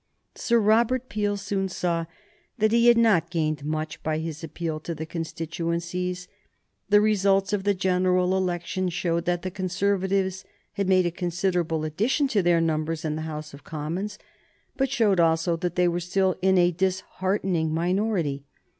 Sir Robert Peel soon saw that he had not gained much by his appeal to the constituencies. The results of the general election showed that the Conservatives had made a considerable addition to their numbers in the House of Commons, but showed also that they were still in a disheartening minority.